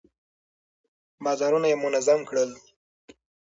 بازارونه يې منظم کړل.